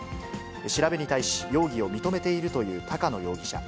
調べに対し、容疑を認めているという高野容疑者。